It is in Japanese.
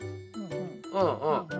うんうん。